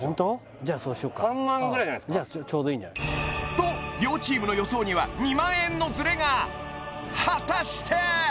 じゃそうしよっか３万ぐらいじゃないですかじゃちょうどいいんじゃない？と両チームの予想には２万円のズレが果たして？